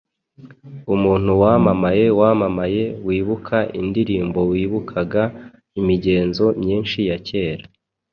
umuntu wamamaye wamamaye wibuka indirimbowibukaga imigenzo myinshi ya kera